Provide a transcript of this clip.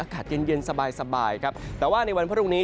อากาศเย็นเย็นสบายครับแต่ว่าในวันพรุ่งนี้